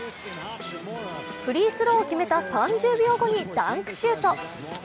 フリースローを決めた３０秒後にダンクシュート。